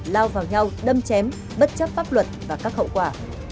lao vào nhau đâm chém bất chấp pháp luật và các hậu quả